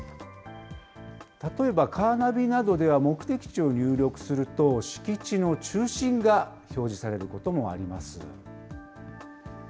例えば、カーナビなどでは目的地を入力すると、敷地の中心が表示されることもあります。